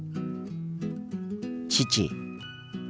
父。